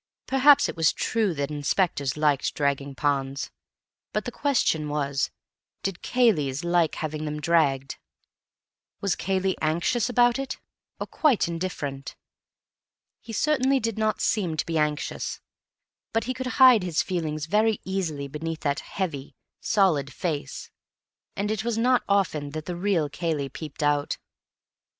Perhaps it was true that inspectors liked dragging ponds, but the question was, did Cayleys like having them dragged? Was Cayley anxious about it, or quite indifferent? He certainly did not seem to be anxious, but he could hide his feelings very easily beneath that heavy, solid face, and it was not often that the real Cayley peeped out.